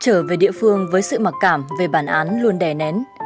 trở về địa phương với sự mặc cảm về bản án luôn đè nén